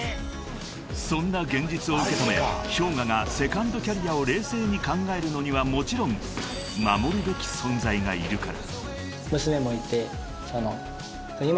［そんな現実を受け止めＨｙＯｇＡがセカンドキャリアを冷静に考えるのにはもちろん守るべき存在がいるから］